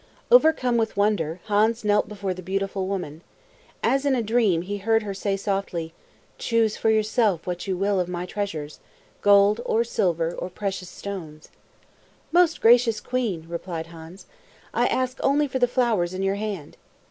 Overcome with wonder, Hans knelt before the beautiful woman. As in a dream, he heard her say very softly, "Choose for yourself what you will of my treasures gold, or silver, or precious stones." "Most gracious queen," replied Hans, "I ask only for the flowers in your hand."